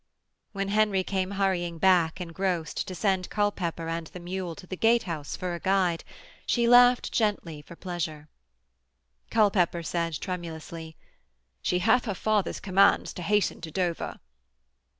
When Henry came hurrying back, engrossed, to send Culpepper and the mule to the gatehouse for a guide, she laughed gently for pleasure. Culpepper said tremulously: 'She hath her father's commands to hasten to Dover.'